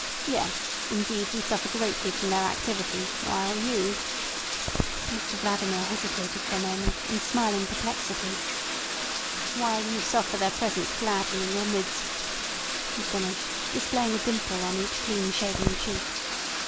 Yes; indeed, we suffer greatly from their activity, while you"—Mr Vladimir hesitated for a moment, in smiling perplexity—"while you suffer their presence gladly in your midst," he finished, displaying a dimple on each clean shaven cheek.